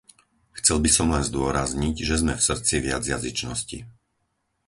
Chcel by som len zdôrazniť, že sme v srdci viacjazyčnosti.